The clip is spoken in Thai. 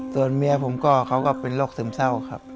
ส่วนเมียผมก็เขาก็เป็นโรคซึมเศร้าครับ